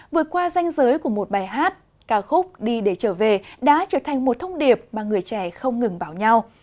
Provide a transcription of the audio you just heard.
vượt qua danh giới của một bài hát ca khúc đi để trở về đã trở thành một thông điệp mà người trẻ không ngừng bảo nhau